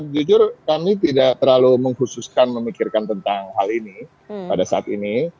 jujur kami tidak terlalu mengkhususkan memikirkan tentang hal ini pada saat ini